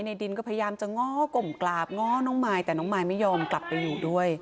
ดินก็พยายามจะง้อกลมกราบง้อน้องมายแต่น้องมายไม่ยอมกลับไปอยู่ด้วย